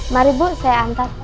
mari bu saya antar